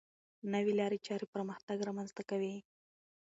نوې لارې چارې پرمختګ رامنځته کوي.